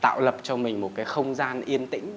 tạo lập cho mình một cái không gian yên tĩnh